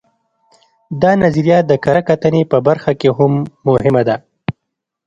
دا نظریه د کره کتنې په برخه کې هم مهمه ده